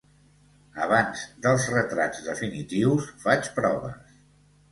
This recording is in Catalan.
Abans dels retrats definitius faig proves.